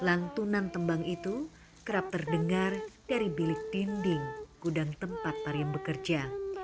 lantunan tembang itu kerap terdengar dari bilik dinding gudang tempat pariam bekerja